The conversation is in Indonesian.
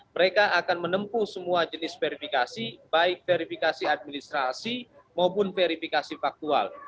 mereka akan menempuh semua jenis verifikasi baik verifikasi administrasi maupun verifikasi faktual